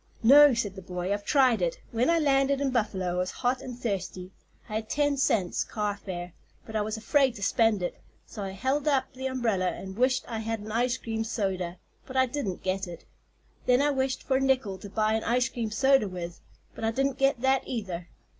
"No," said the boy; "I've tried it. When I landed in Buffalo I was hot and thirsty. I had ten cents, car fare, but I was afraid to spend it. So I held up the umbrella and wished I had an ice cream soda; but I didn't get it. Then I wished for a nickel to buy an ice cream soda with; but I didn't get that, either.